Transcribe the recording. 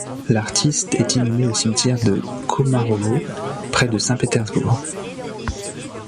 L'artiste est inhumé au cimetière de Komarovo près de Saint-Pétersbourg.